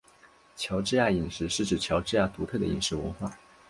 乔治亚饮食是指乔治亚独特的饮食文化。